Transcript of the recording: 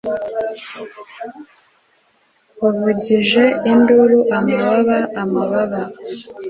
Wavugije induru Amababa amababa